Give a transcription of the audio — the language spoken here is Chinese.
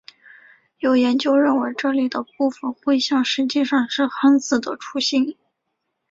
有研究认为这里的部分绘像实际上是汉字的雏形。